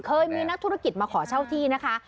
เคยมีนักธุรกิจมาขอเช่าที่นะคะ